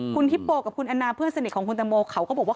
คุณฮิปโปกับคุณแอนนาเพื่อนสนิทของคุณตังโมเขาก็บอกว่า